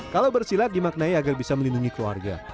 kalau bersilat dimaknai agar bisa melindungi keluarga